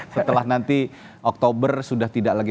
setelah nanti oktober sudah tidak lagi